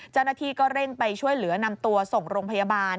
เจ้าหน้าที่ก็เร่งไปช่วยเหลือนำตัวส่งโรงพยาบาล